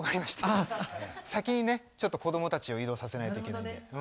先にねちょっと子どもたちを移動させないといけないので。